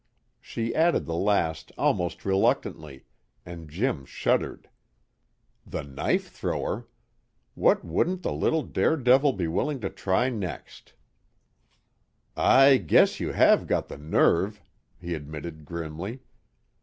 She added the last almost reluctantly, and Jim shuddered. The knife thrower! What wouldn't the little dare devil be willing to try next? "I guess you have got the nerve," he admitted grimly.